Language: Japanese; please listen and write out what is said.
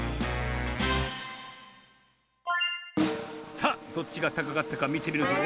さあどっちがたかかったかみてみるぞ。